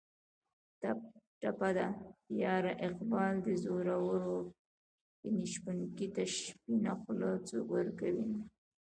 ټپه ده: یاره اقبال دې زورور و ګني شپونکي ته سپینه خوله څوک ورکوینه